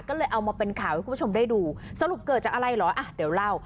ก็เลยเอามาเป็นข่าวให้คุณผู้ชมได้ดูสรุปเกิดจากอะไรเหรออ่ะเดี๋ยวเล่า